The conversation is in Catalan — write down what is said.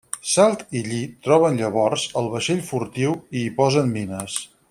Salt i Lli troben llavors el vaixell furtiu i hi posen mines.